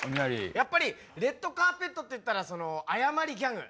やっぱり「レッドカーペット」っていったら謝りギャグ。